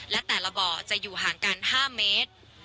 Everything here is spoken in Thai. และแต่ละบ่อจะอยู่ห่างกัน๕เมตร